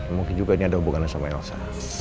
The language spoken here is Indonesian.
mungkin juga ini ada hubungannya sama elsa